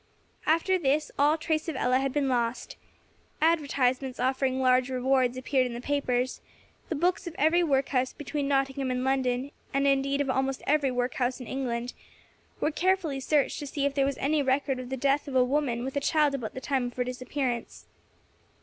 After this all trace of Ella had been lost. Advertisements offering large rewards appeared in the papers; the books of every workhouse between Nottingham and London, and indeed of almost every workhouse in England, were carefully searched to see if there was any record of the death of a woman with a child about the time of her disappearance.